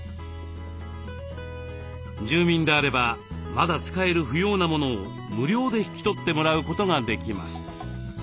住民であればまだ使える不要なものを無料で引き取ってもらうことができます。